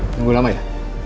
tunggu lama ya